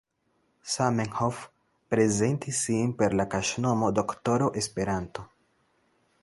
Zamenhof, prezentis sin per la kaŝnomo Doktoro Esperanto.